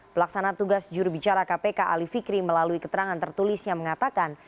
pelaksana tugas jurubicara kpk ali fikri melalui keterangan tertulisnya mengatakan